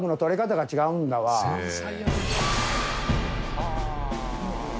はあ。